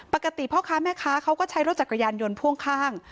ปกติพ่อค้าแม่ค้าเขาก็ใช้รถจักรยานยนต์พ่วงข้าง